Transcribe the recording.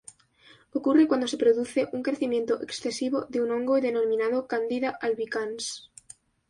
Ocurre cuando se produce un crecimiento excesivo de un hongo denominado "Candida albicans".